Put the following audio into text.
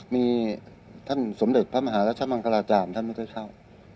มีท่านสมเด็จพระมหารัชมังคลาจารย์ท่านไม่ค่อยเข้า